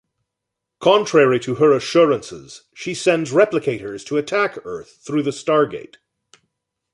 Contrary to her assurances, she sends Replicators to attack Earth through the Stargate.